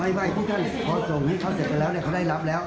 ไม่พวกท่านพอส่งให้เขาเสร็จไปแล้วเขาได้รับแล้ว